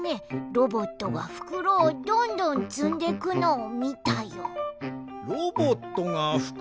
ロボットがふくろをどんどんつんでくとな？